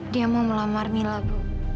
dia mau melamar nila bu